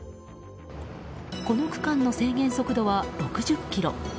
この区間の制限速度は６０キロ。